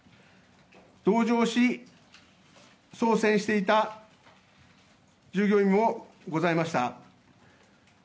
同乗し、操船していた従業員もございました。